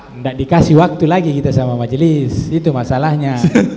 tidak dikasih waktu lagi kita sama majelis itu masalahnya